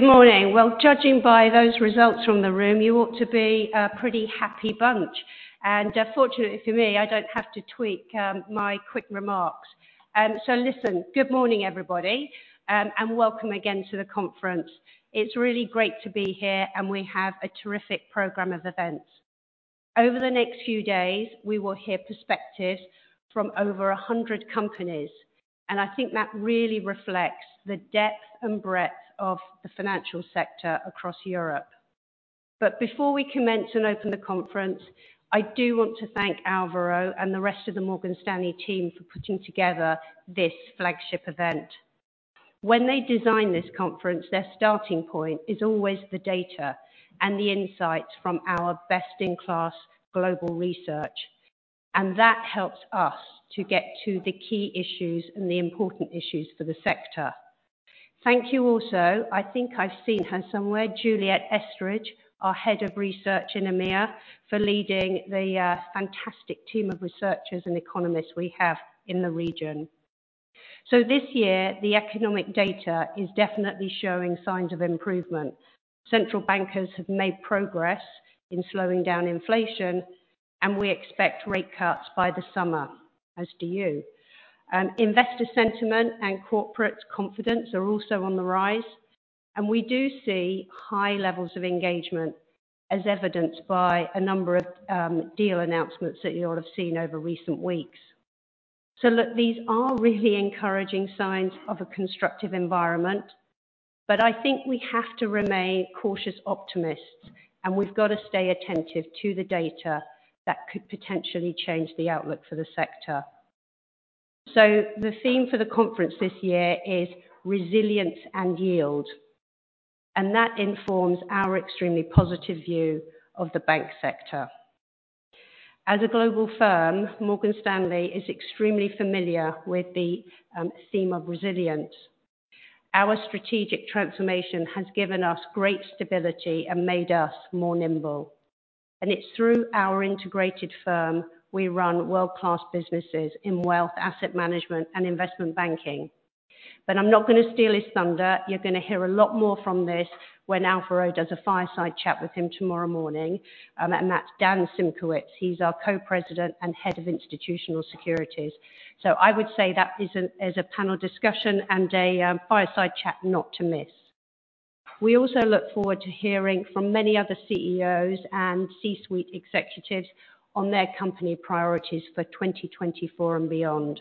Good morning. Well, judging by those results from the room, you ought to be a pretty happy bunch. Fortunately for me, I don't have to tweak my quick remarks. So listen, good morning everybody, and welcome again to the conference. It's really great to be here, and we have a terrific program of events. Over the next few days, we will hear perspectives from over 100 companies, and I think that really reflects the depth and breadth of the financial sector across Europe. But before we commence and open the conference, I do want to thank Alvaro and the rest of the Morgan Stanley team for putting together this flagship event. When they design this conference, their starting point is always the data and the insights from our best-in-class global research, and that helps us to get to the key issues and the important issues for the sector. Thank you also, I think I've seen her somewhere, Juliette Estridge, our Head of Research in EMEA, for leading the fantastic team of researchers and economists we have in the region. So this year, the economic data is definitely showing signs of improvement. Central bankers have made progress in slowing down inflation, and we expect rate cuts by the summer, as do you. Investor sentiment and corporate confidence are also on the rise, and we do see high levels of engagement, as evidenced by a number of deal announcements that you all have seen over recent weeks. So look, these are really encouraging signs of a constructive environment, but I think we have to remain cautious optimists, and we've got to stay attentive to the data that could potentially change the outlook for the sector. So the theme for the conference this year is resilience and yield, and that informs our extremely positive view of the bank sector. As a global firm, Morgan Stanley is extremely familiar with the theme of resilience. Our strategic transformation has given us great stability and made us more nimble, and it's through our integrated firm we run world-class businesses in wealth, asset management, and investment banking. But I'm not going to steal his thunder; you're going to hear a lot more from this when Alvaro does a fireside chat with him tomorrow morning, and that's Dan Simkowitz. He's our Co-President and head of Institutional Securities, so I would say that is a panel discussion and a fireside chat not to miss. We also look forward to hearing from many other CEOs and C-suite executives on their company priorities for 2024 and beyond.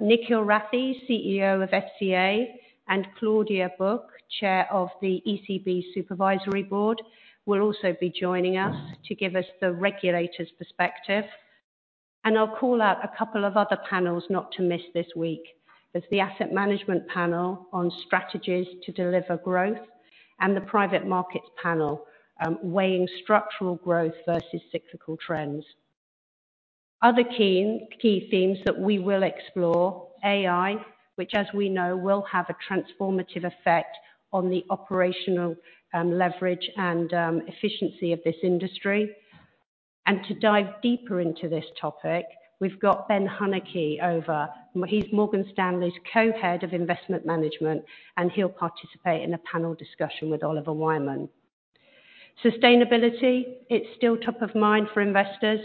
Nikhil Rathi, CEO of FCA, and Claudia Buch, Chair of the ECB Supervisory Board, will also be joining us to give us the regulators' perspective. And I'll call out a couple of other panels not to miss this week, there's the Asset Management Panel on Strategies to Deliver Growth and the Private Markets Panel weighing structural growth versus cyclical trends. Other key themes that we will explore: AI, which as we know will have a transformative effect on the operational leverage and efficiency of this industry. And to dive deeper into this topic, we've got Ben Huneke over, he's Morgan Stanley's co-head of Investment Management, and he'll participate in a panel discussion with Oliver Wyman. Sustainability: it's still top of mind for investors,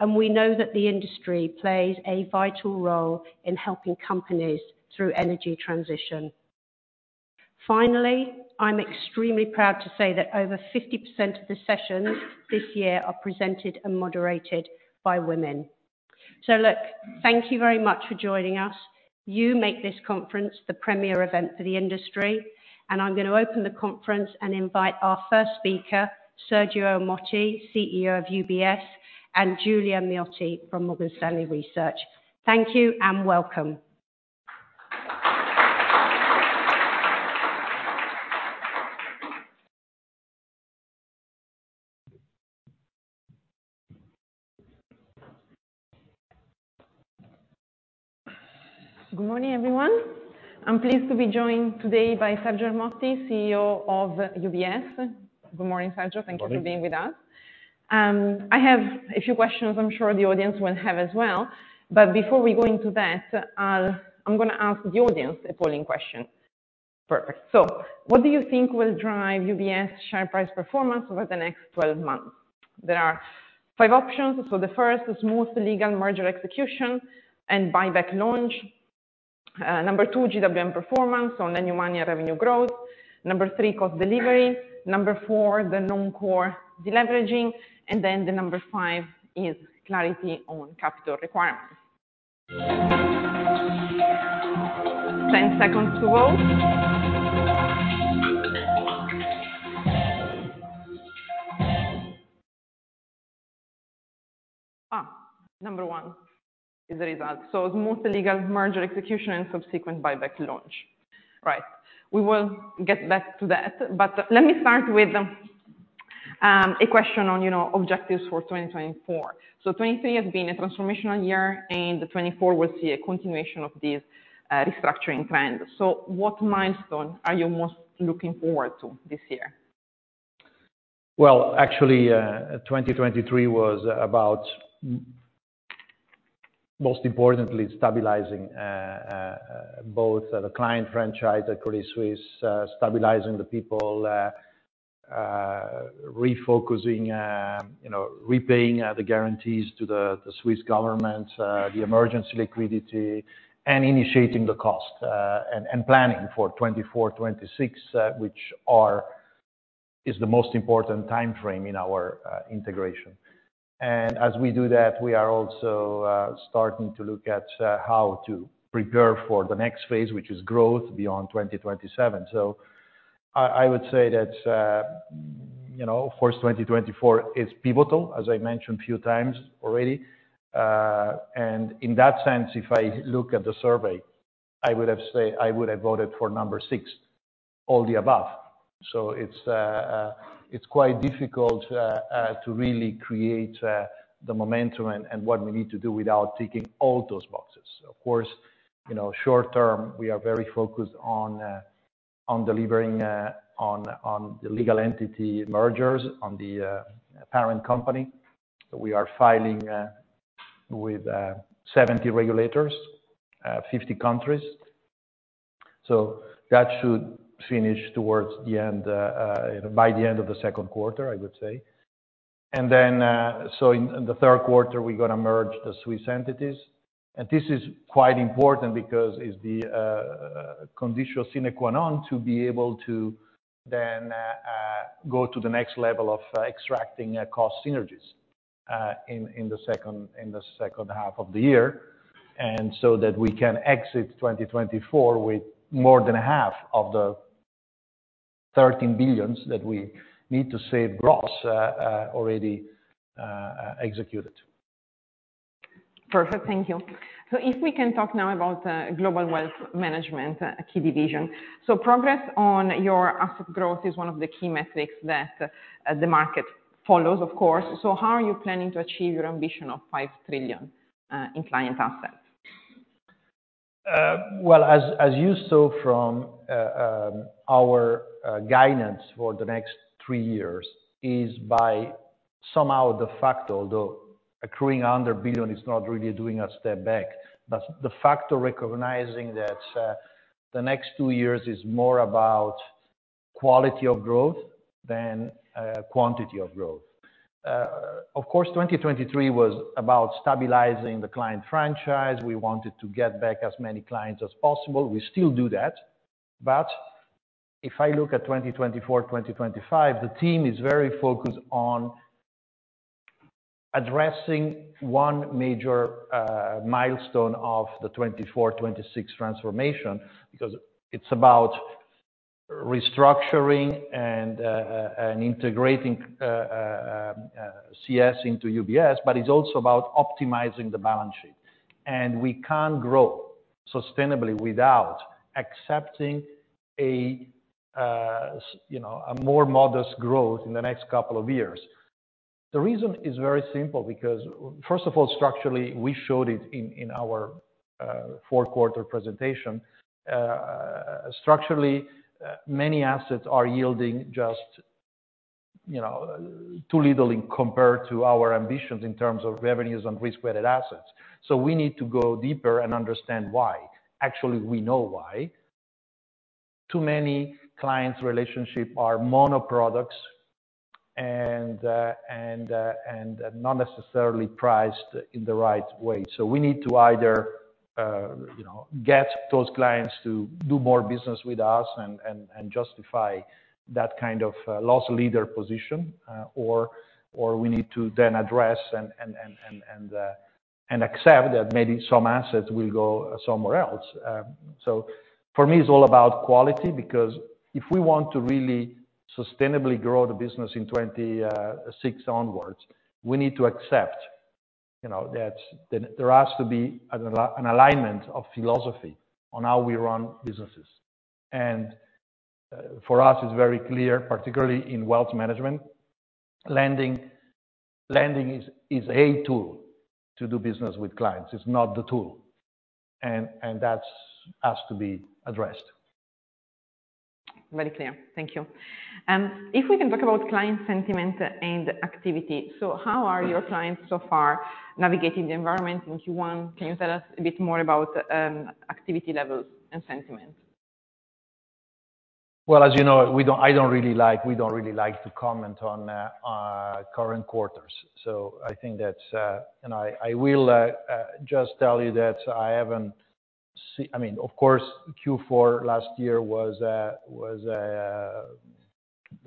and we know that the industry plays a vital role in helping companies through energy transition. Finally, I'm extremely proud to say that over 50% of the sessions this year are presented and moderated by women. Look, thank you very much for joining us. You make this conference the premier event for the industry, and I'm going to open the conference and invite our first speaker, Sergio Ermotti, CEO of UBS, and Giulia Miotto from Morgan Stanley Research. Thank you and welcome. Good morning everyone. I'm pleased to be joined today by Sergio Ermotti, CEO of UBS. Good morning, Sergio. Thank you for being with us. I have a few questions I'm sure the audience will have as well, but before we go into that, I'm going to ask the audience a polling question. Perfect. So what do you think will drive UBS' share price performance over the next 12 months? There are five options, so the first: smooth legal merger execution and buyback launch. Number two: GWM performance on the new money and revenue growth. Number three: cost delivery. Number four: the non-core deleveraging. And then the number five is clarity on capital requirements. 10 seconds to vote. Number one is the result, so smooth legal merger execution and subsequent buyback launch. Right. We will get back to that, but let me start with a question on objectives for 2024. So 2023 has been a transformational year, and 2024 will see a continuation of this restructuring trend. So what milestone are you most looking forward to this year? Well, actually, 2023 was about, most importantly, stabilising both the client franchise at Credit Suisse, stabilising the people, repaying the guarantees to the Swiss government, the emergency liquidity, and initiating the cost, and planning for 2024, 2026, which is the most important time frame in our integration. And as we do that, we are also starting to look at how to prepare for the next phase, which is growth beyond 2027. So I would say that, of course, 2024 is pivotal, as I mentioned a few times already. And in that sense, if I look at the survey, I would have voted for number 6, all the above. So it's quite difficult to really create the momentum and what we need to do without ticking all those boxes. Of course, short term, we are very focused on delivering on the legal entity mergers on the parent company. We are filing with 70 regulators, 50 countries. So that should finish towards the end by the end of the second quarter, I would say. And then so in the third quarter, we're going to merge the Swiss entities. And this is quite important because it's the conditional sine qua non to be able to then go to the next level of extracting cost synergies in the second half of the year so that we can exit 2024 with more than half of the 13 billion that we need to save gross already executed. Perfect. Thank you. So if we can talk now about Global Wealth Management, a key division. So progress on your asset growth is one of the key metrics that the market follows, of course. So how are you planning to achieve your ambition of 5 trillion in client assets? Well, as you saw from our guidance for the next three years, it's by somehow the fact, although accruing under 1 billion is not really doing a step back, but the fact of recognizing that the next two years is more about quality of growth than quantity of growth. Of course, 2023 was about stabilizing the client franchise. We wanted to get back as many clients as possible. We still do that. But if I look at 2024, 2025, the team is very focused on addressing one major milestone of the 2024, 2026 transformation because it's about restructuring and integrating CS into UBS, but it's also about optimizing the balance sheet. And we can't grow sustainably without accepting a more modest growth in the next couple of years. The reason is very simple because, first of all, structurally, we showed it in our four-quarter presentation. Structurally, many assets are yielding just too little compared to our ambitions in terms of revenues and risk-weighted assets. So we need to go deeper and understand why. Actually, we know why. Too many clients' relationships are mono-products and not necessarily priced in the right way. So we need to either get those clients to do more business with us and justify that kind of loss-leader position, or we need to then address and accept that maybe some assets will go somewhere else. So for me, it's all about quality because if we want to really sustainably grow the business in 2026 onwards, we need to accept that there has to be an alignment of philosophy on how we run businesses. For us, it's very clear, particularly in wealth management, lending is a tool to do business with clients. It's not the tool. That has to be addressed. Very clear. Thank you. If we can talk about client sentiment and activity, so how are your clients so far navigating the environment in Q1? Can you tell us a bit more about activity levels and sentiment? Well, as you know, I don't really like to comment on current quarters. So I think that's and I will just tell you that I haven't seen. I mean, of course, Q4 last year was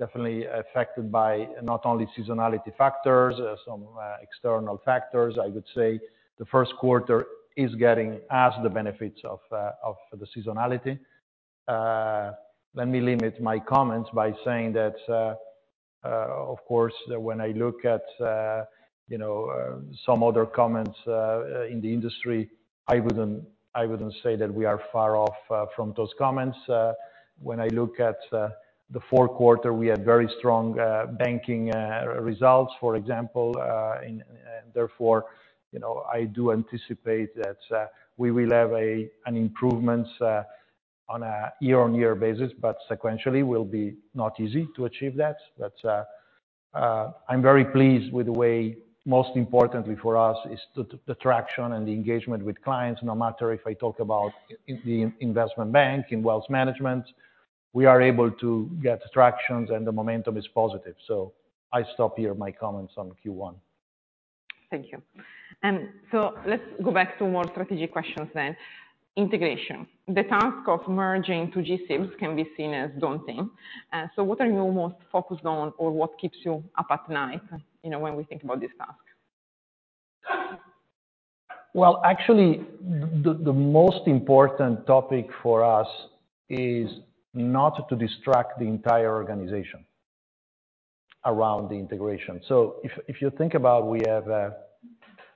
definitely affected by not only seasonality factors, some external factors. I would say the first quarter is getting us the benefits of the seasonality. Let me limit my comments by saying that, of course, when I look at some other comments in the industry, I wouldn't say that we are far off from those comments. When I look at the fourth quarter, we had very strong banking results, for example, and therefore, I do anticipate that we will have an improvement on a year-on-year basis, but sequentially, it will be not easy to achieve that. But I'm very pleased with the way most importantly for us is the traction and the engagement with clients, no matter if I talk about the investment bank, in wealth management, we are able to get tractions, and the momentum is positive. So I stop here my comments on Q1. Thank you. So let's go back to more strategic questions then. Integration: the task of merging two G-SIBs can be seen as daunting. So what are you most focused on, or what keeps you up at night when we think about this task? Well, actually, the most important topic for us is not to distract the entire organization around the integration. So if you think about it, we have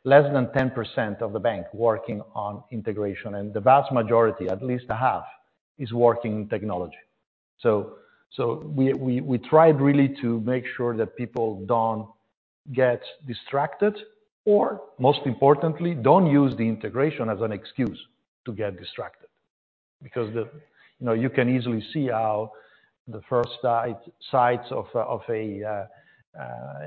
less than 10% of the bank working on integration, and the vast majority, at least half, is working in technology. So we try really to make sure that people don't get distracted or, most importantly, don't use the integration as an excuse to get distracted because you can easily see how the first sights of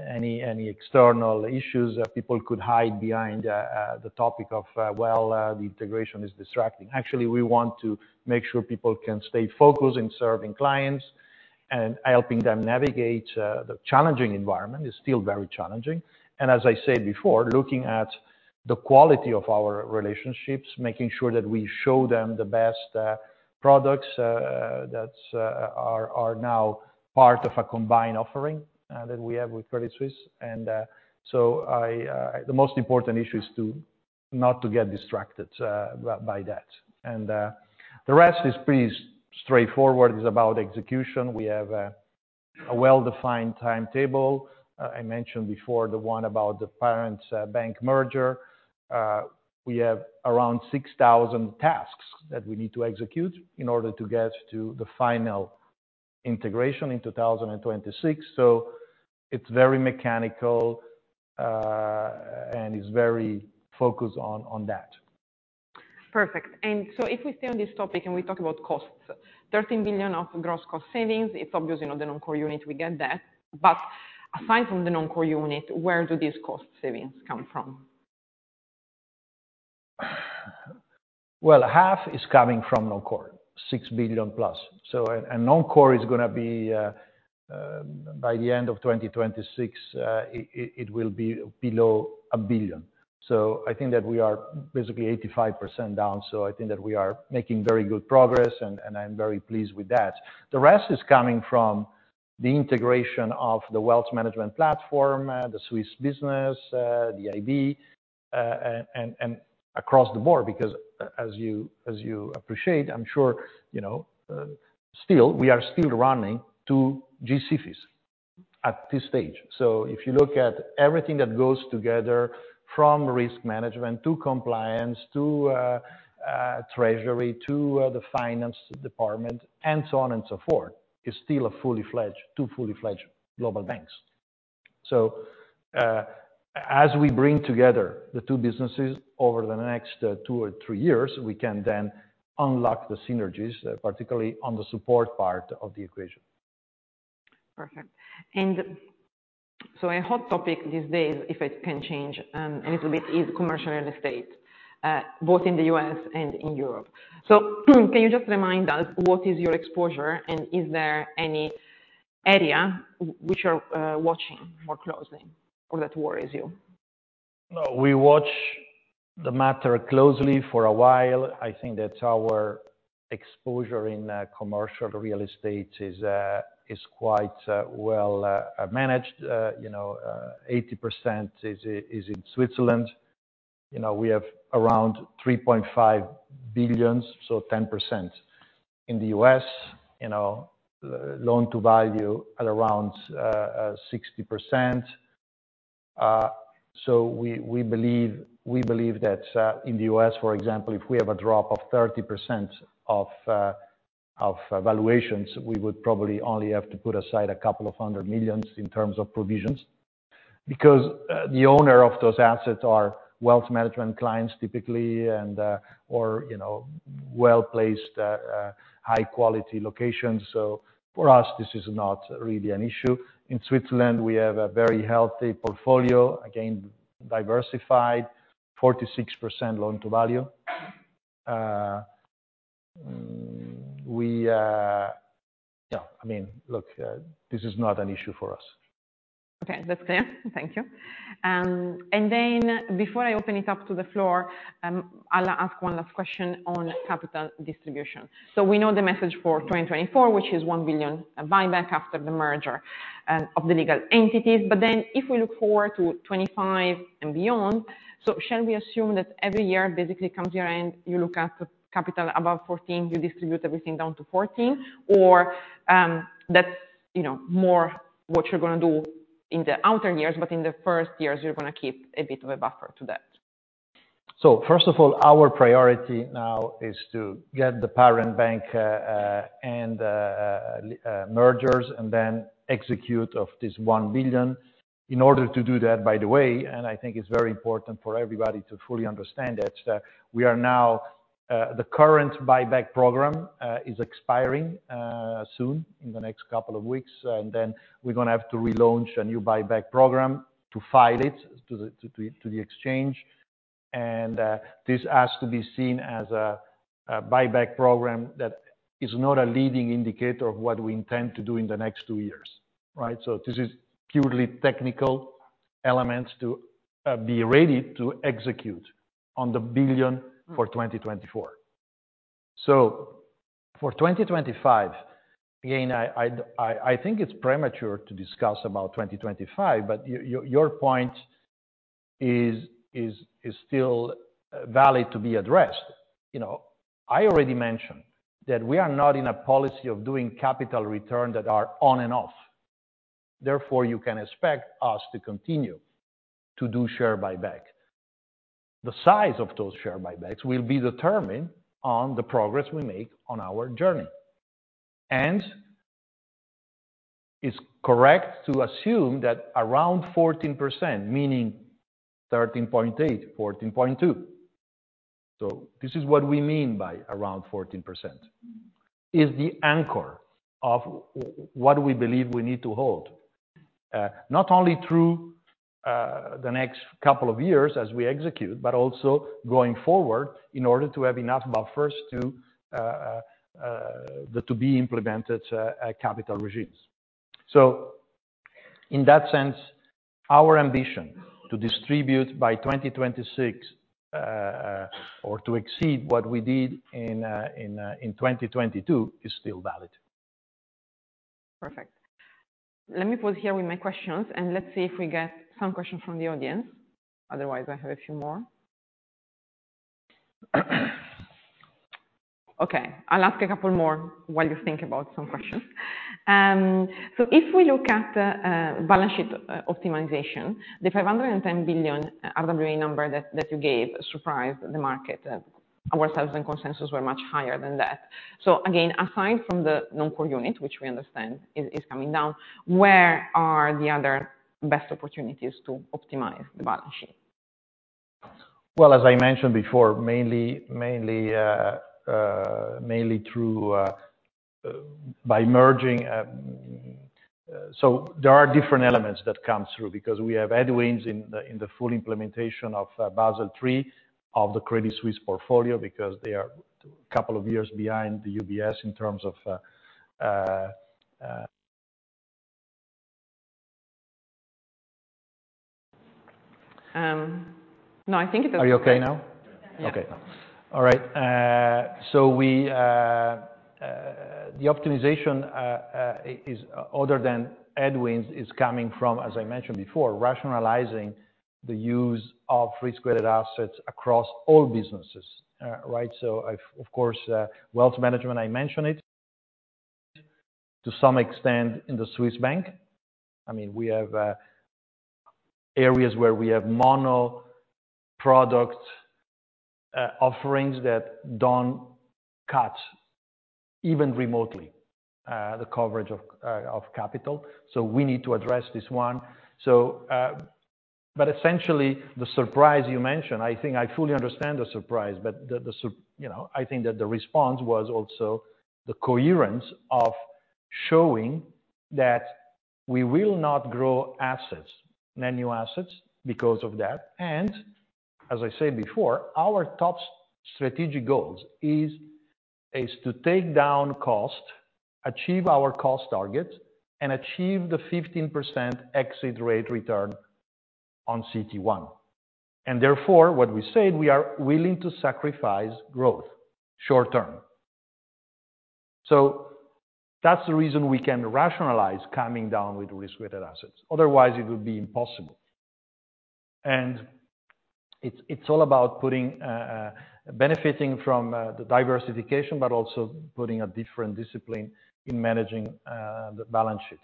any external issues people could hide behind the topic of, "Well, the integration is distracting." Actually, we want to make sure people can stay focused in serving clients and helping them navigate the challenging environment. It's still very challenging. As I said before, looking at the quality of our relationships, making sure that we show them the best products that are now part of a combined offering that we have with Credit Suisse. So the most important issue is not to get distracted by that. The rest is pretty straightforward. It's about execution. We have a well-defined timetable. I mentioned before the one about the parent bank merger. We have around 6,000 tasks that we need to execute in order to get to the final integration in 2026. So it's very mechanical, and it's very focused on that. Perfect. And so if we stay on this topic and we talk about costs: 13 billion of gross cost savings. It's obvious in the non-core unit we get that. But aside from the non-core unit, where do these cost savings come from? Well, half is coming from non-core, 6 billion plus. So non-core is going to be by the end of 2026. It will be below 1 billion. So I think that we are basically 85% down. So I think that we are making very good progress, and I'm very pleased with that. The rest is coming from the integration of the wealth management platform, the Swiss business, the IB, and across the board because, as you appreciate, I'm sure, still we are still running two G-SIBs at this stage. So if you look at everything that goes together from risk management to compliance to treasury to the finance department and so on and so forth, it's still a fully fledged, two fully fledged global banks. So as we bring together the two businesses over the next 2 or 3 years, we can then unlock the synergies, particularly on the support part of the equation. Perfect. And so a hot topic these days, if it can change a little bit, is commercial real estate, both in the U.S. and in Europe. So can you just remind us what is your exposure, and is there any area which you're watching more closely or that worries you? No, we watch the matter closely for a while. I think that our exposure in commercial real estate is quite well managed. 80% is in Switzerland. We have around 3.5 billion, so 10% in the US, loan-to-value at around 60%. So we believe that in the US, for example, if we have a drop of 30% of valuations, we would probably only have to put aside a couple of hundred million CHF in terms of provisions because the owner of those assets are wealth management clients typically or well-placed, high-quality locations. So for us, this is not really an issue. In Switzerland, we have a very healthy portfolio, again, diversified, 46% loan-to-value. Yeah, I mean, look, this is not an issue for us. Okay. That's clear. Thank you. And then before I open it up to the floor, I'll ask one last question on capital distribution. So we know the message for 2024, which is 1 billion buyback after the merger of the legal entities. But then if we look forward to 2025 and beyond, so shall we assume that every year basically comes year-end, you look at capital above 14, you distribute everything down to 14, or that's more what you're going to do in the outer years, but in the first years, you're going to keep a bit of a buffer to that? So first of all, our priority now is to get the parent bank and mergers and then execute of this 1 billion. In order to do that, by the way, and I think it's very important for everybody to fully understand that we are now the current buyback program is expiring soon in the next couple of weeks, and then we're going to have to relaunch a new buyback program to file it to the exchange. And this has to be seen as a buyback program that is not a leading indicator of what we intend to do in the next two years, right? So this is purely technical elements to be ready to execute on the billion for 2024. So for 2025, again, I think it's premature to discuss about 2025, but your point is still valid to be addressed. I already mentioned that we are not in a policy of doing capital return that are on and off. Therefore, you can expect us to continue to do share buyback. The size of those share buybacks will be determined on the progress we make on our journey. And it's correct to assume that around 14%, meaning 13.8%-14.2%, so this is what we mean by around 14%, is the anchor of what we believe we need to hold not only through the next couple of years as we execute but also going forward in order to have enough buffers to the to-be-implemented capital regimes. So in that sense, our ambition to distribute by 2026 or to exceed what we did in 2022 is still valid. Perfect. Let me pause here with my questions, and let's see if we get some questions from the audience. Otherwise, I have a few more. Okay. I'll ask a couple more while you think about some questions. So if we look at balance sheet optimization, the 510 billion RWA number that you gave surprised the market. Ourselves and consensus were much higher than that. So again, aside from the non-core unit, which we understand is coming down, where are the other best opportunities to optimize the balance sheet? Well, as I mentioned before, mainly through by merging, so there are different elements that come through because we have headwinds in the full implementation of Basel III of the Credit Suisse portfolio because they are a couple of years behind the UBS in terms of. No, I think it's okay. Are you okay now? Yes. Okay. All right. So the optimisation is other than headwinds is coming from, as I mentioned before, rationalising the use of free-to-carry assets across all businesses, right? So of course, wealth management, I mentioned it to some extent in the Swiss bank. I mean, we have areas where we have mono-product offerings that don't cut even remotely the coverage of capital. So we need to address this one. But essentially, the surprise you mentioned, I think I fully understand the surprise, but I think that the response was also the coherence of showing that we will not grow assets, net new assets because of that. And as I said before, our top strategic goals is to take down cost, achieve our cost targets, and achieve the 15% exit rate return on CET1. And therefore, what we said, we are willing to sacrifice growth short-term. That's the reason we can rationalize coming down with free-to-carry assets. Otherwise, it would be impossible. It's all about benefiting from the diversification but also putting a different discipline in managing the balance sheet.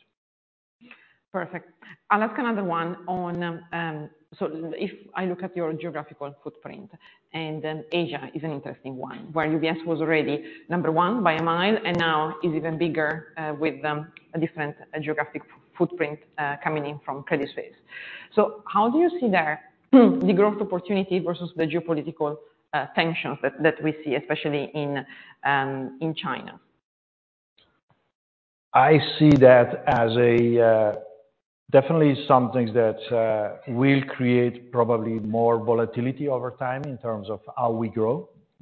Perfect. I'll ask another one on so if I look at your geographical footprint, and Asia is an interesting one where UBS was already number one by a mile and now is even bigger with a different geographic footprint coming in from Credit Suisse. So how do you see there the growth opportunity versus the geopolitical tensions that we see, especially in China? I see that as definitely some things that will create probably more volatility over time in terms of how we grow.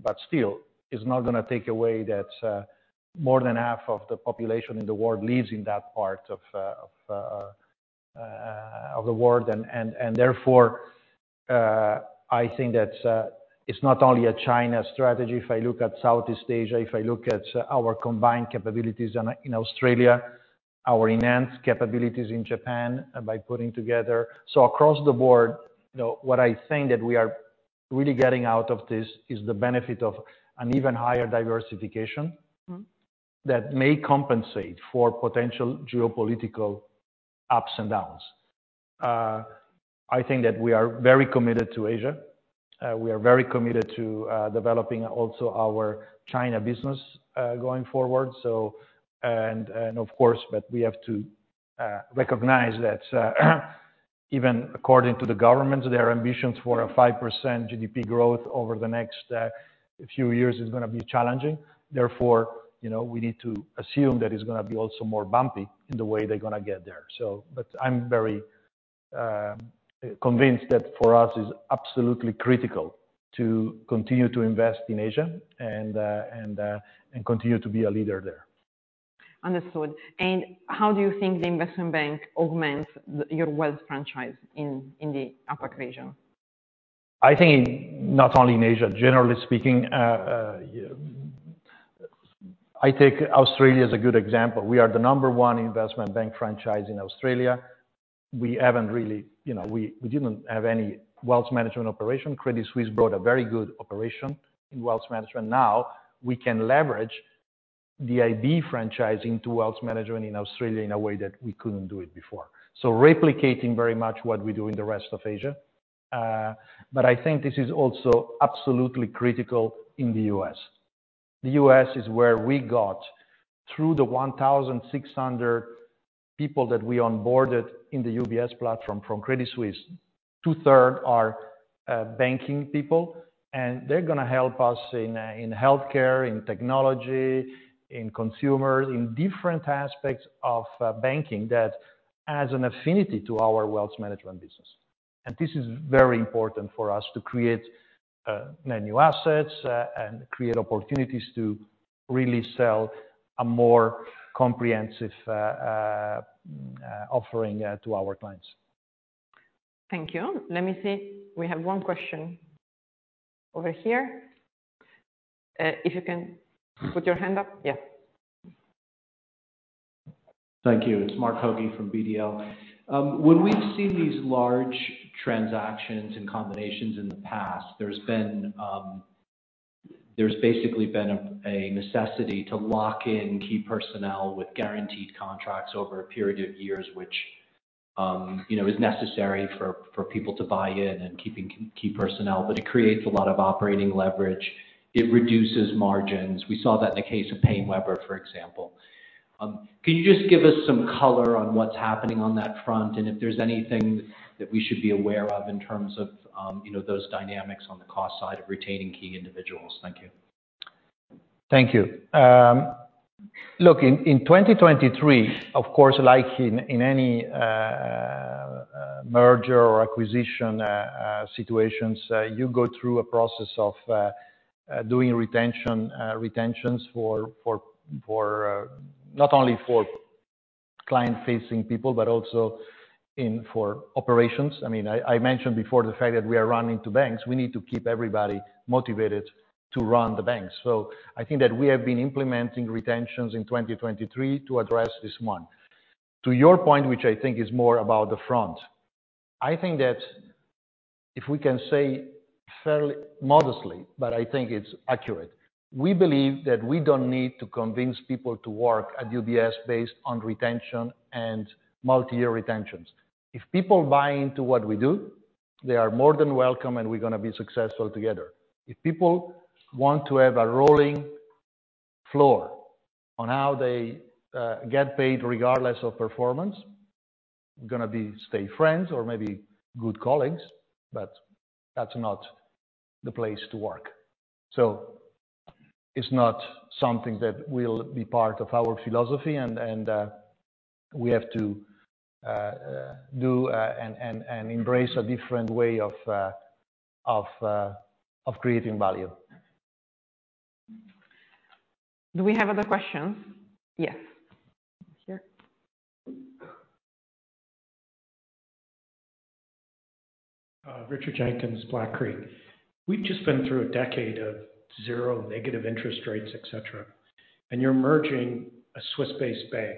But still, it's not going to take away that more than half of the population in the world lives in that part of the world. And therefore, I think that it's not only a China strategy. If I look at Southeast Asia, if I look at our combined capabilities in Australia, our enhanced capabilities in Japan by putting together so across the board, what I think that we are really getting out of this is the benefit of an even higher diversification that may compensate for potential geopolitical ups and downs. I think that we are very committed to Asia. We are very committed to developing also our China business going forward. Of course, but we have to recognize that even according to the governments, their ambitions for a 5% GDP growth over the next few years is going to be challenging. Therefore, we need to assume that it's going to be also more bumpy in the way they're going to get there. But I'm very convinced that for us, it's absolutely critical to continue to invest in Asia and continue to be a leader there. Understood. And how do you think the investment bank augments your wealth franchise in the APAC region? I think not only in Asia, generally speaking. I take Australia as a good example. We are the number one investment bank franchise in Australia. We didn't have any wealth management operation. Credit Suisse brought a very good operation in wealth management. Now, we can leverage the IB franchise into wealth management in Australia in a way that we couldn't do it before, so replicating very much what we do in the rest of Asia. But I think this is also absolutely critical in the US. The US is where we got through the 1,600 people that we onboarded in the UBS platform from Credit Suisse, two-thirds are banking people. And they're going to help us in healthcare, in technology, in consumers, in different aspects of banking that has an affinity to our wealth management business. This is very important for us to create net new assets and create opportunities to really sell a more comprehensive offering to our clients. Thank you. Let me see. We have one question over here. If you can put your hand up. Yeah. Thank you. It's Mark Sheridan from BDL. When we've seen these large transactions and combinations in the past, there's basically been a necessity to lock in key personnel with guaranteed contracts over a period of years, which is necessary for people to buy in and keeping key personnel. But it creates a lot of operating leverage. It reduces margins. We saw that in the case of PaineWebber, for example. Can you just give us some color on what's happening on that front and if there's anything that we should be aware of in terms of those dynamics on the cost side of retaining key individuals? Thank you. Thank you. Look, in 2023, of course, like in any merger or acquisition situations, you go through a process of doing retentions not only for client-facing people but also for operations. I mean, I mentioned before the fact that we are running two banks. We need to keep everybody motivated to run the banks. So I think that we have been implementing retentions in 2023 to address this one. To your point, which I think is more about the front, I think that if we can say fairly modestly, but I think it's accurate, we believe that we don't need to convince people to work at UBS based on retention and multi-year retentions. If people buy into what we do, they are more than welcome, and we're going to be successful together. If people want to have a rolling floor on how they get paid regardless of performance, we're going to stay friends or maybe good colleagues, but that's not the place to work. So it's not something that will be part of our philosophy, and we have to do and embrace a different way of creating value. Do we have other questions? Yes. Here. Richard Jenkins, Black Creek. We've just been through a decade of zero negative interest rates, etc., and you're merging a Swiss-based bank.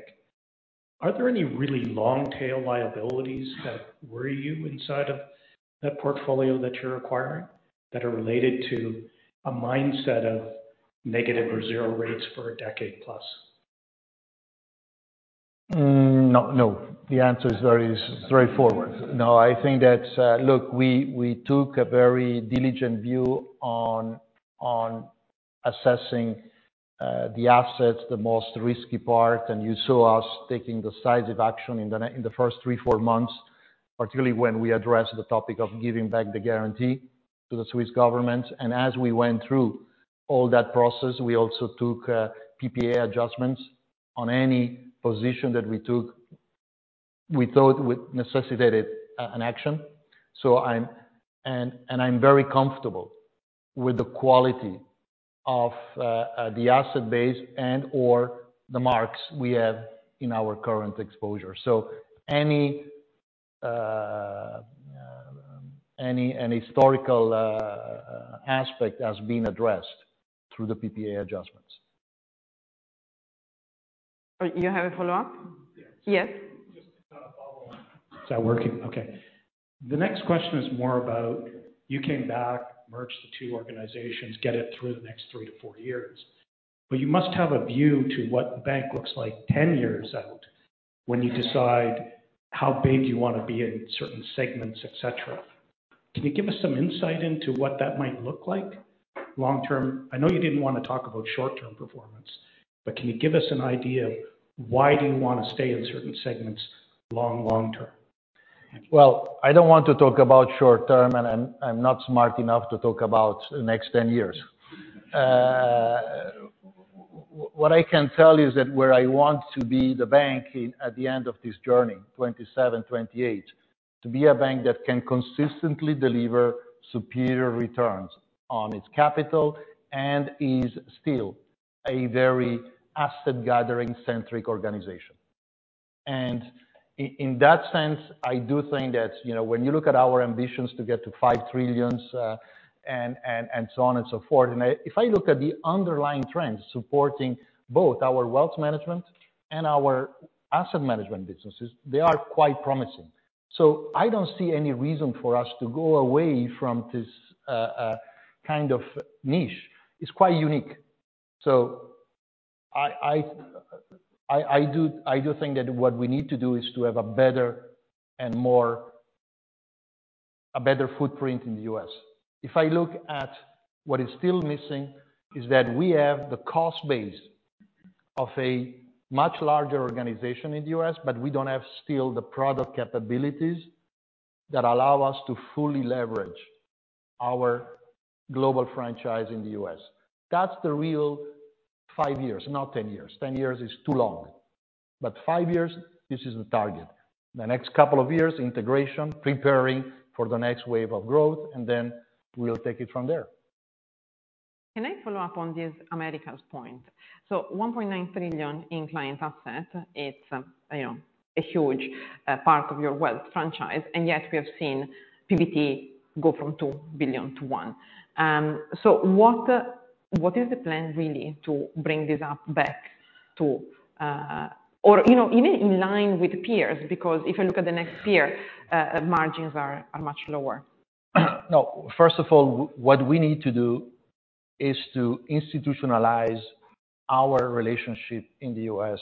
Are there any really long-tail liabilities that worry you inside of that portfolio that you're acquiring that are related to a mindset of negative or zero rates for a decade-plus? No. The answer is very straightforward. No, I think that, look, we took a very diligent view on assessing the assets, the most risky part, and you saw us taking decisive action in the first 3-4 months, particularly when we addressed the topic of giving back the guarantee to the Swiss governments. And as we went through all that process, we also took PPA adjustments on any position that we took we thought would necessitate an action. And I'm very comfortable with the quality of the asset base and/or the marks we have in our current exposure. So any historical aspect has been addressed through the PPA adjustments. You have a follow-up? Yes. Yes? Just a follow-up. Is that working? Okay. The next question is more about you came back, merged the two organizations, get it through the next 3-4 years. But you must have a view to what the bank looks like 10 years out when you decide how big you want to be in certain segments, etc. Can you give us some insight into what that might look like long-term? I know you didn't want to talk about short-term performance, but can you give us an idea of why do you want to stay in certain segments long, long-term? Well, I don't want to talk about short-term, and I'm not smart enough to talk about the next 10 years. What I can tell you is that where I want to be the bank at the end of this journey, 2027, 2028, to be a bank that can consistently deliver superior returns on its capital and is still a very asset-gathering-centric organization. And in that sense, I do think that when you look at our ambitions to get to 5 trillion and so on and so forth, and if I look at the underlying trends supporting both our wealth management and our asset management businesses, they are quite promising. So I don't see any reason for us to go away from this kind of niche. It's quite unique. So I do think that what we need to do is to have a better footprint in the US. If I look at what is still missing, is that we have the cost base of a much larger organization in the US, but we don't have still the product capabilities that allow us to fully leverage our global franchise in the US. That's the real five years, not 10 years. 10 years is too long. But five years, this is the target. The next couple of years, integration, preparing for the next wave of growth, and then we'll take it from there. Can I follow up on this Americas' point? So $1.9 trillion in client assets, it's a huge part of your wealth franchise, and yet we have seen PBT go from $2 billion to $1 billion. So what is the plan really to bring this up back to or even in line with peers? Because if I look at the next peer, margins are much lower. No. First of all, what we need to do is to institutionalize our relationship in the U.S.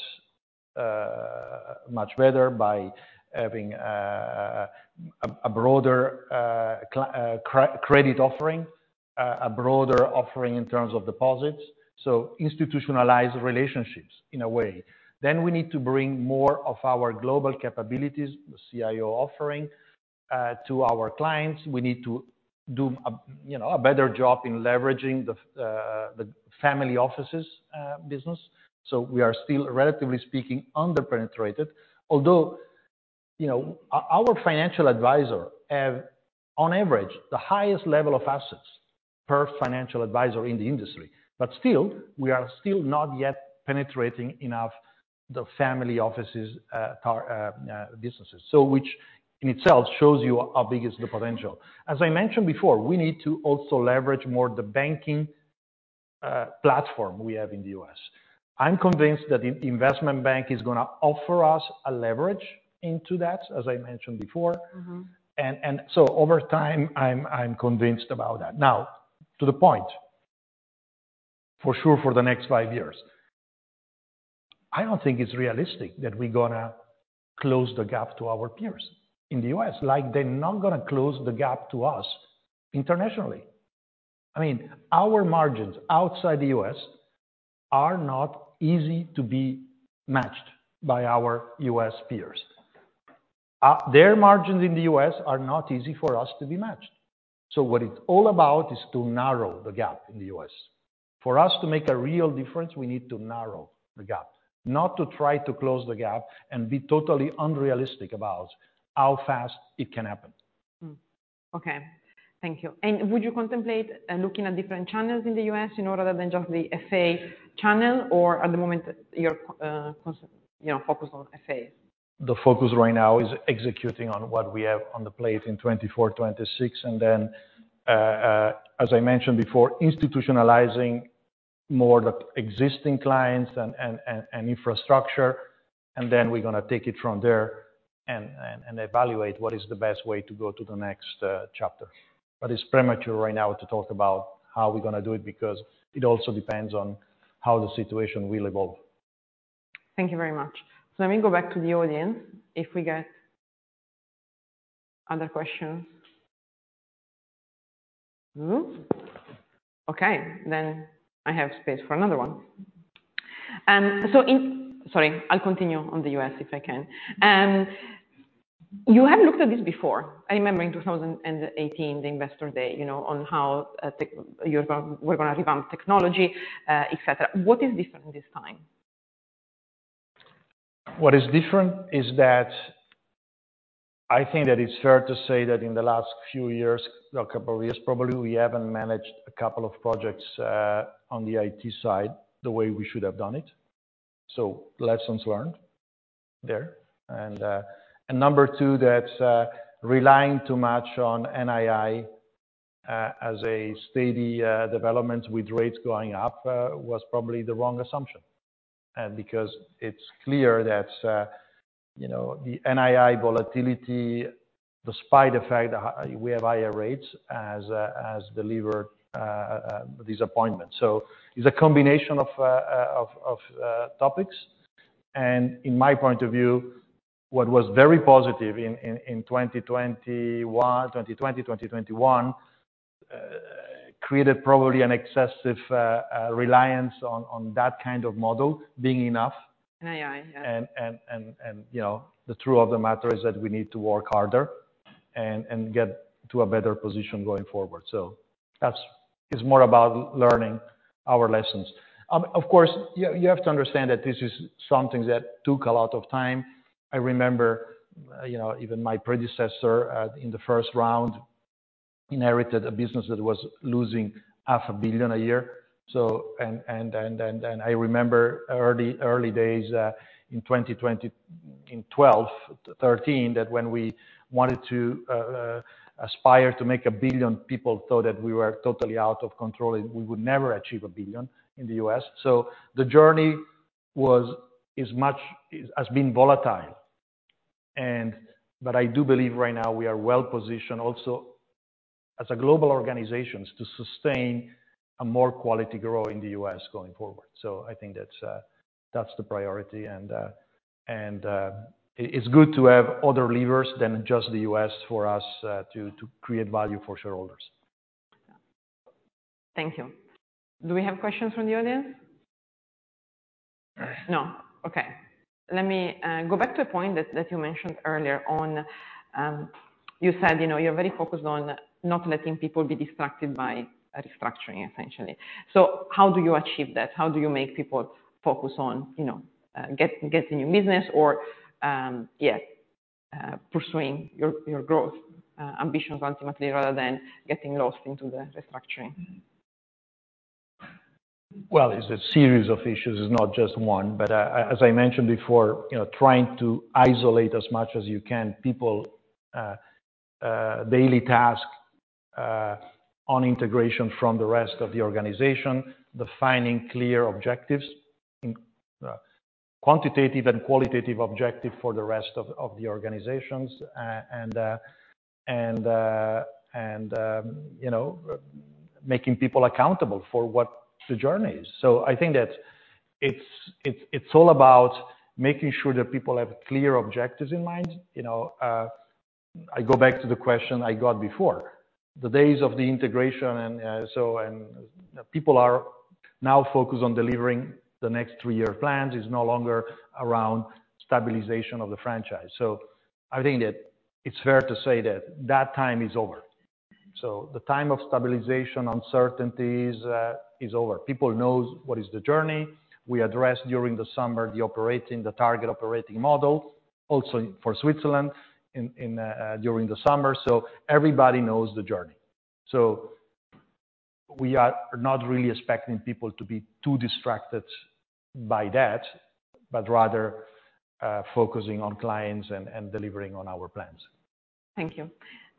much better by having a broader credit offering, a broader offering in terms of deposits. So institutionalize relationships in a way. Then we need to bring more of our global capabilities, the CIO offering, to our clients. We need to do a better job in leveraging the family offices business. So we are still, relatively speaking, under-penetrated, although our financial advisors have, on average, the highest level of assets per financial advisor in the industry. But still, we are still not yet penetrating enough the family offices businesses, which in itself shows you our biggest potential. As I mentioned before, we need to also leverage more the banking platform we have in the U.S. I'm convinced that the investment bank is going to offer us a leverage into that, as I mentioned before. Over time, I'm convinced about that. Now, to the point, for sure for the next five years, I don't think it's realistic that we're going to close the gap to our peers in the U.S. Like they're not going to close the gap to us internationally. I mean, our margins outside the U.S. are not easy to be matched by our U.S. peers. Their margins in the U.S. are not easy for us to be matched. So what it's all about is to narrow the gap in the U.S. For us to make a real difference, we need to narrow the gap, not to try to close the gap and be totally unrealistic about how fast it can happen. Okay. Thank you. And would you contemplate looking at different channels in the US other than just the FA channel? Or at the moment, you're focused on FAs? The focus right now is executing on what we have on the plate in 2024, 2026. As I mentioned before, institutionalizing more the existing clients and infrastructure. We're going to take it from there and evaluate what is the best way to go to the next chapter. It's premature right now to talk about how we're going to do it because it also depends on how the situation will evolve. Thank you very much. So let me go back to the audience if we get other questions. Okay. Then I have space for another one. Sorry. I'll continue on the U.S. if I can. You have looked at this before. I remember in 2018, the Investor Day, on how we're going to revamp technology, etc. What is different this time? What is different is that I think that it's fair to say that in the last few years, a couple of years, probably, we haven't managed a couple of projects on the IT side the way we should have done it. So lessons learned there. And number two, that relying too much on NII as a steady development with rates going up was probably the wrong assumption because it's clear that the NII volatility, the spike effect that we have higher rates has delivered disappointment. So it's a combination of topics. And in my point of view, what was very positive in 2020, 2021 created probably an excessive reliance on that kind of model being enough. NII, yes. The truth of the matter is that we need to work harder and get to a better position going forward. So it's more about learning our lessons. Of course, you have to understand that this is something that took a lot of time. I remember even my predecessor in the first round inherited a business that was losing $500 million a year. And I remember early days in 2012, 2013 that when we wanted to aspire to make $1 billion, people thought that we were totally out of control and we would never achieve $1 billion in the U.S. So the journey has been volatile. But I do believe right now we are well-positioned also as a global organization to sustain a more quality growth in the U.S. going forward. So I think that's the priority. It's good to have other levers than just the U.S. for us to create value for shareholders. Thank you. Do we have questions from the audience? No? Okay. Let me go back to a point that you mentioned earlier on. You said you're very focused on not letting people be distracted by restructuring, essentially. So how do you achieve that? How do you make people focus on getting new business or, yeah, pursuing your growth ambitions ultimately rather than getting lost into the restructuring? Well, it's a series of issues. It's not just one. But as I mentioned before, trying to isolate as much as you can people's daily tasks on integration from the rest of the organization, defining clear objectives, quantitative and qualitative objectives for the rest of the organizations, and making people accountable for what the journey is. So I think that it's all about making sure that people have clear objectives in mind. I go back to the question I got before. The days of the integration and so on, people are now focused on delivering the next three-year plans. It's no longer around stabilization of the franchise. So I think that it's fair to say that that time is over. So the time of stabilization, uncertainties is over. People know what is the journey. We addressed during the summer the target operating model also for Switzerland during the summer. Everybody knows the journey. We are not really expecting people to be too distracted by that but rather focusing on clients and delivering on our plans. Thank you.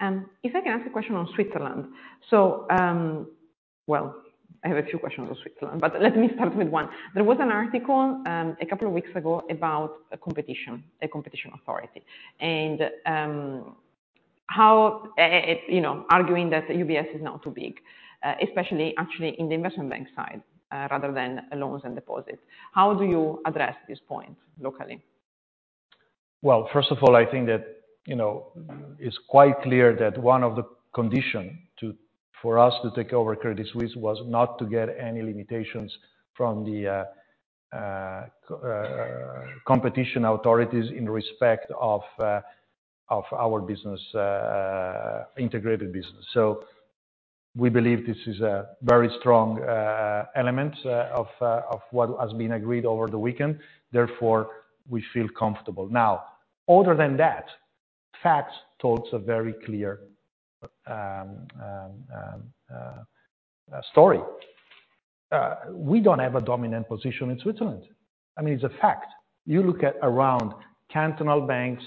If I can ask a question on Switzerland, well, I have a few questions on Switzerland. But let me start with one. There was an article a couple of weeks ago about competition, a competition authority, and arguing that UBS is now too big, especially actually in the investment bank side rather than loans and deposits. How do you address this point locally? Well, first of all, I think that it's quite clear that one of the conditions for us to take over Credit Suisse was not to get any limitations from the competition authorities in respect of our integrated business. So we believe this is a very strong element of what has been agreed over the weekend. Therefore, we feel comfortable. Now, other than that, facts told us a very clear story. We don't have a dominant position in Switzerland. I mean, it's a fact. You look around cantonal banks,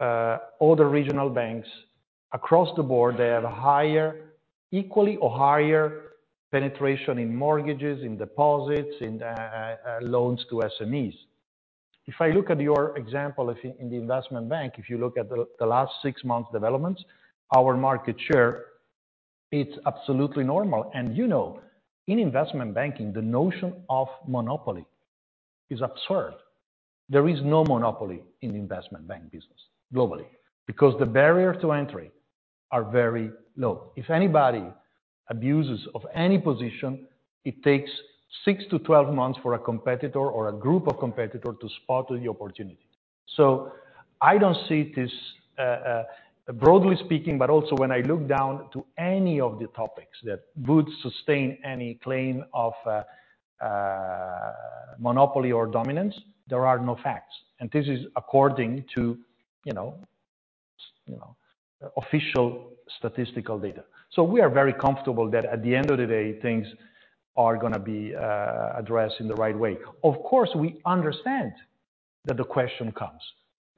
other regional banks, across the board, they have equally or higher penetration in mortgages, in deposits, in loans to SMEs. If I look at your example in the investment bank, if you look at the last six months' developments, our market share, it's absolutely normal. And in investment banking, the notion of monopoly is absurd. There is no monopoly in the investment bank business globally because the barriers to entry are very low. If anybody abuses any position, it takes 6-12 months for a competitor or a group of competitors to spot the opportunity. So I don't see this, broadly speaking, but also when I look down to any of the topics that would sustain any claim of monopoly or dominance, there are no facts. And this is according to official statistical data. So we are very comfortable that at the end of the day, things are going to be addressed in the right way. Of course, we understand that the question comes.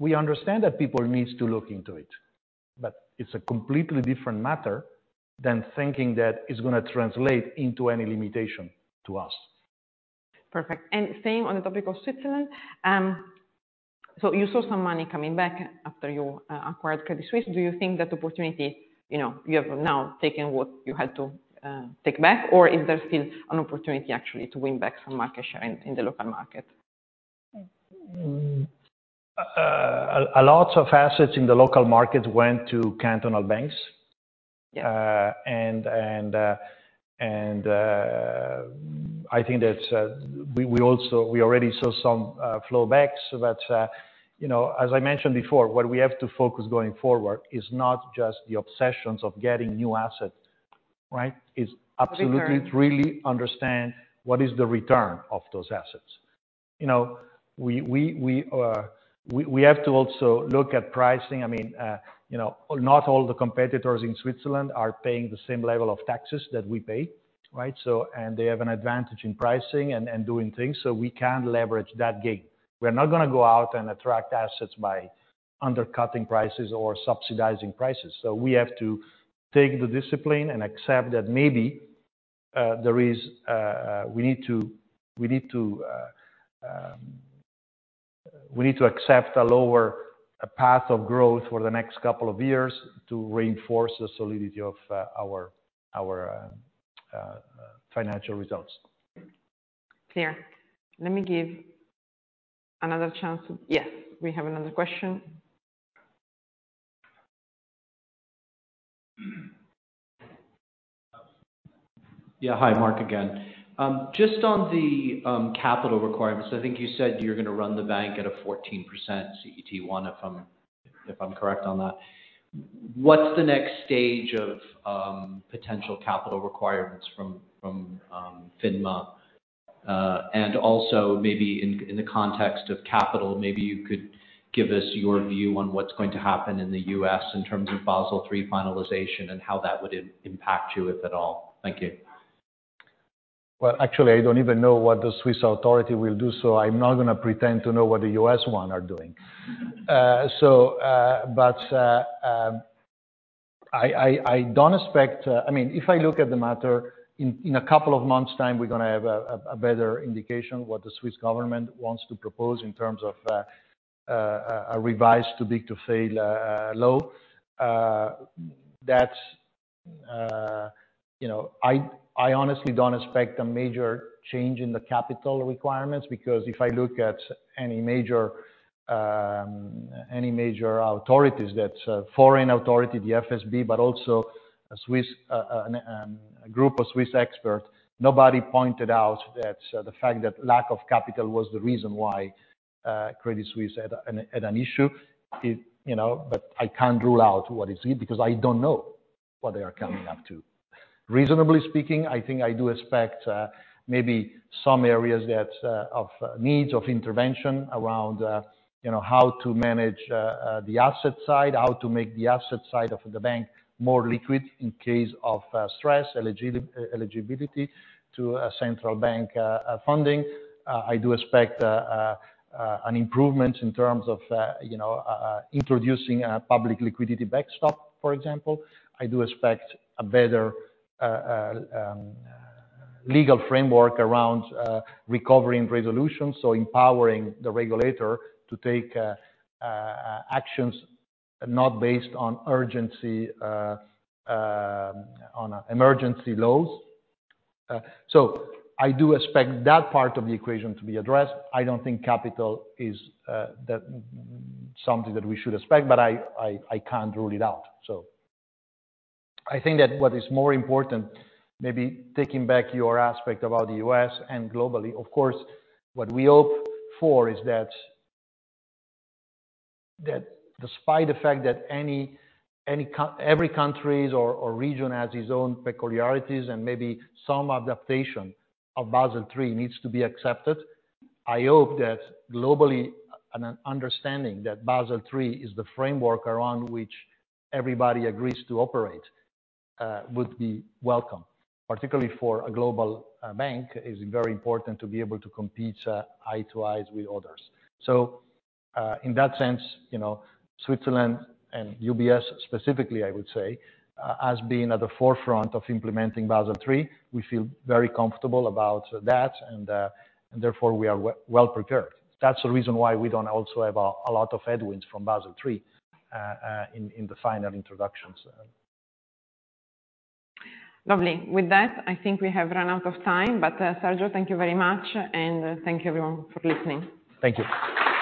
We understand that people need to look into it. But it's a completely different matter than thinking that it's going to translate into any limitation to us. Perfect. And same on the topic of Switzerland. So you saw some money coming back after you acquired Credit Suisse. Do you think that opportunity you have now taken what you had to take back? Or is there still an opportunity, actually, to win back some market share in the local market? A lot of assets in the local markets went to cantonal banks. I think that we already saw some flowbacks. As I mentioned before, what we have to focus on going forward is not just the obsessions of getting new assets, right? It's absolutely to really understand what is the return of those assets. We have to also look at pricing. I mean, not all the competitors in Switzerland are paying the same level of taxes that we pay, right? And they have an advantage in pricing and doing things. So we can leverage that gain. We're not going to go out and attract assets by undercutting prices or subsidizing prices. So we have to take the discipline and accept that maybe we need to accept a lower path of growth for the next couple of years to reinforce the solidity of our financial results. Clear. Let me give another chance to yes. We have another question. Yeah. Hi, Mark again. Just on the capital requirements, I think you said you're going to run the bank at a 14% CET1, if I'm correct on that. What's the next stage of potential capital requirements from FINMA? And also maybe in the context of capital, maybe you could give us your view on what's going to happen in the U.S. in terms of Basel III finalization and how that would impact you, if at all. Thank you. Well, actually, I don't even know what the Swiss authority will do. So I'm not going to pretend to know what the US one are doing. But I don't expect I mean, if I look at the matter, in a couple of months' time, we're going to have a better indication of what the Swiss government wants to propose in terms of a revised Too Big to Fail law. I honestly don't expect a major change in the capital requirements because if I look at any major authorities, that's foreign authority, the FSB, but also a group of Swiss experts, nobody pointed out the fact that lack of capital was the reason why Credit Suisse had an issue. But I can't rule out what it is because I don't know what they are coming up to. Reasonably speaking, I think I do expect maybe some areas of needs of intervention around how to manage the asset side, how to make the asset side of the bank more liquid in case of stress, eligibility to central bank funding. I do expect improvements in terms of introducing a public liquidity backstop, for example. I do expect a better legal framework around recovering resolutions, so empowering the regulator to take actions not based on emergency laws. So I do expect that part of the equation to be addressed. I don't think capital is something that we should expect. But I can't rule it out. So I think that what is more important, maybe taking back your aspect about the U.S. and globally, of course, what we hope for is that despite the fact that every country or region has its own peculiarities and maybe some adaptation of Basel III needs to be accepted. I hope that globally an understanding that Basel III is the framework around which everybody agrees to operate would be welcome, particularly for a global bank. It's very important to be able to compete eye to eye with others. So in that sense, Switzerland and UBS specifically, I would say, has been at the forefront of implementing Basel III. We feel very comfortable about that. And therefore, we are well-prepared. That's the reason why we don't also have a lot of headwinds from Basel III in the final introductions. Lovely. With that, I think we have run out of time. But Sergio, thank you very much. And thank you, everyone, for listening. Thank you.